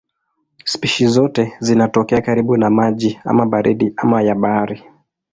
Spishi zote zinatokea karibu na maji ama baridi ama ya bahari.